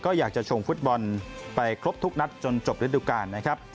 ก็อยากจะชงฟุตบอลไปครบทุกนัดจนจบฤดูกาลนะครับ